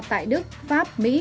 tại đức pháp mỹ